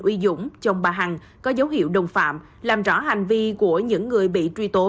uy dũng chồng bà hằng có dấu hiệu đồng phạm làm rõ hành vi của những người bị truy tố